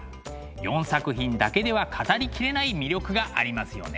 ４作品だけでは語りきれない魅力がありますよね。